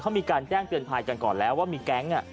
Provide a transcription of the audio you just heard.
เขามีการแจ้งเตือนภัยกันก่อนแล้วว่ามีแก๊ง